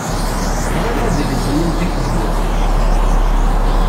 Ɣriɣ adlis-nni n Kateb Yasin.